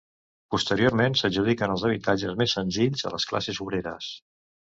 Posteriorment s'adjudiquen els habitatges més senzills a les classes obreres.